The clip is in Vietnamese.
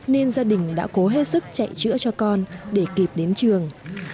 nên gia đình đã cố hết sức chạy chữa cho con để kịp đến trường